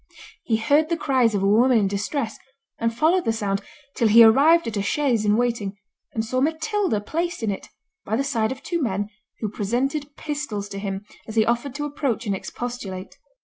He heard the cries of a woman in distress, and followed the sound, till he arrived at a chaise in waiting, and saw Matilda placed in it, by the side of two men, who presented pistols to him, as he offered to approach and expostulate.